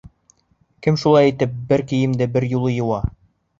Кем шулай итеп бар кейемде бер юлы йыуа?